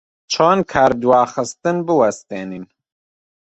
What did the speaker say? چۆن کاردواخستن بوەستێنین؟